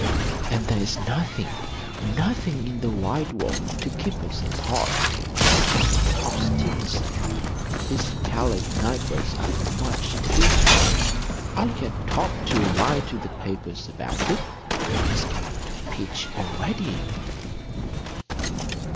"And there's nothing—nothing in the wide world—to keep us apart except her obstinacy. These Calais night boats are much too small. I'll get Torp to write to the papers about it. She's beginning to pitch already."